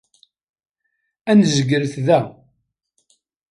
Ad nzegret da.